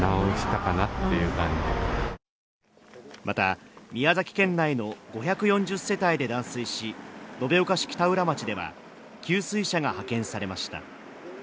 また、宮崎県内の５４０世帯で断水し、延岡市北浦町では給水車が派遣されました。